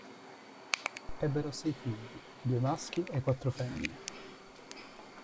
Ebbero sei figli, due maschi e quattro femmine.